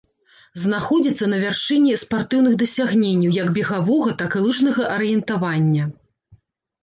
Знаходзіцца на вершыні спартыўных дасягненняў як бегавога, так і лыжнага арыентавання.